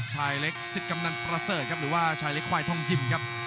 ชายเล็กสิทธิ์กำนันประเสริฐครับหรือว่าชายเล็กควายทองยิมครับ